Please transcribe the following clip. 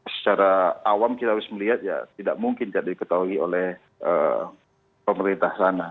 secara awam kita harus melihat ya tidak mungkin tidak diketahui oleh pemerintah sana